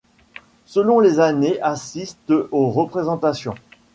Selon les années assistent aux représentations.